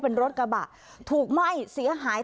อันดับที่สุดท้าย